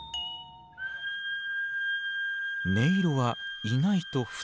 音色は意外と普通。